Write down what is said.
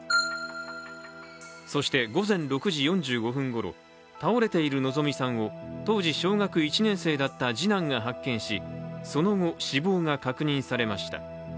そして午前６時４５分ごろ、倒れている希美さんを当時、小学１年生だった次男が発見しその後、死亡が確認されました。